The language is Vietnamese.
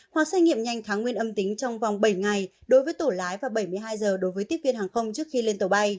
hoặc xét nghiệm nhanh tháng nguyên âm tính trong vòng bảy ngày đối với tổ lái và bảy mươi hai giờ đối với tiếp viên hàng không trước khi lên tàu bay